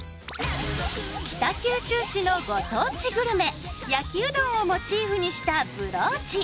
北九州市のご当地グルメ焼きうどんをモチーフにしたブローチ。